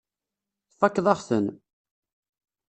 Tfakkeḍ-aɣ-ten.